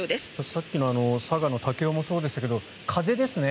さっきの佐賀の武雄もそうですけど風ですね。